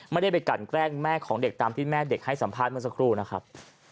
ไม่ได้ไปกันแกล้งแม่ของเด็กตามที่แม่เด็กให้สัมภาษณ์เมื่อสักครู่นะครับ